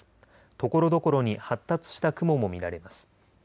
ところどころに発達した雲も見られます。